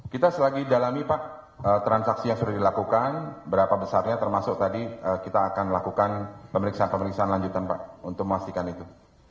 kita selagi dalami pak transaksi yang sudah dilakukan berapa besarnya termasuk tadi kita akan lakukan pemeriksaan pemeriksaan lanjutan pak untuk memastikan itu